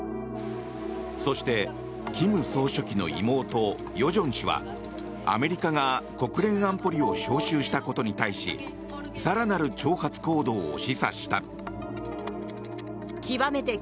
そして、金総書記の妹・与正氏はアメリカが国連安保理を招集したことに対し北朝鮮はおととい